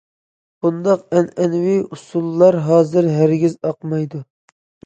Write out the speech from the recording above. بۇنداق ئەنئەنىۋى ئۇسۇللار ھازىر ھەرگىز ئاقمايدۇ.